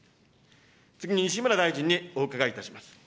次に西村大臣にお伺いいたします。